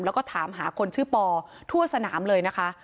แล้วก็ถามหาคนชื่อปอทั่วสนามเลยนะคะ